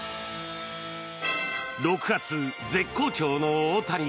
６月絶好調の大谷。